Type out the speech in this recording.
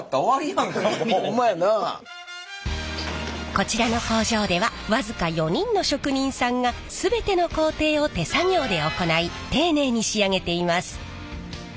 こちらの工場では僅か４人の職人さんが全ての工程を手作業で行い丁寧に仕上げています。